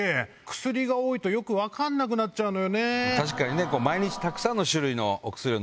薬が多いとよく分かんなくなっちゃうのよね」。